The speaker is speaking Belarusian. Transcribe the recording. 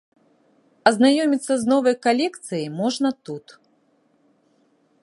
Азнаёміцца з новай калекцыяй можна тут.